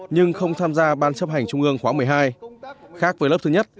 nhưng không tham gia ban chấp hành trung ương khóa một mươi hai khác với lớp thứ nhất